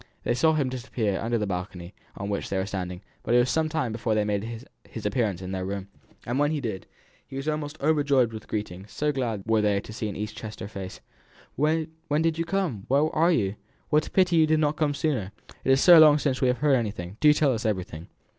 They saw him disappear under the balcony on which they were standing, but it was some time before he made his appearance in their room. And when he did, he was almost overpowered with greetings; so glad were they to see an East Chester face. "When did you come? Where are you? What a pity you did not come sooner! It is so long since we have heard anything; do tell us everything!